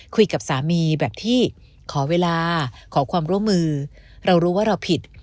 คุยกับสามีแบบที่ขอเวลาขอความร่วมมือเรารู้ว่าเราผิด